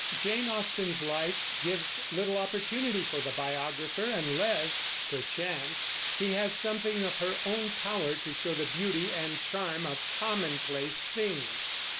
Jane Austen's life gives little opportunity for the biographer, unless, perchance, he has something of her own power to show the beauty and charm of commonplace things.